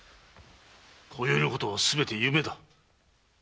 今宵のことはすべて夢だ。